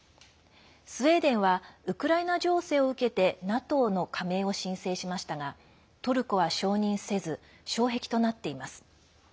スウェーデンはウクライナ情勢を受けてＮＡＴＯの加盟を申請しましたがトルコは承認せず障壁となっています。